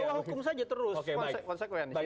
ya hukum saja terus konsekuensi